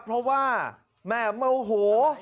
เพราะว่าแหม่มโอ้โห